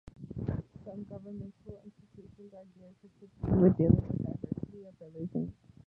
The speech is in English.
Some governmental institutions are geared specifically with dealing with diversity of religions.